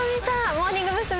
モーニング娘。